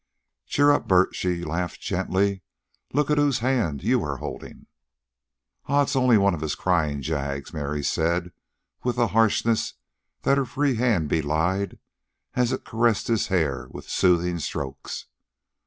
"Cheer up, Bert," she laughed gently. "Look at whose hand you are holding." "Aw, it's only one of his cryin' jags," Mary said, with a harshness that her free hand belied as it caressed his hair with soothing strokes.